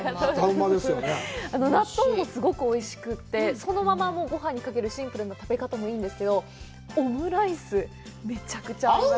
納豆もすごくおいしくて、そのままごはんにかけるシンプルな食べ方もいいんですけど、オムライス、めちゃくちゃ合います！